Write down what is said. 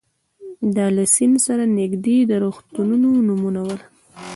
دا له سیند سره نږدې د روغتونونو نومونه ول.